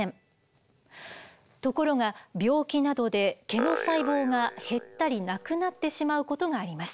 ところが病気などで毛の細胞が減ったりなくなってしまうことがあります。